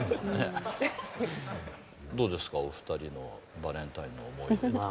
どうですかお二人のバレンタインの思い出堂珍さん。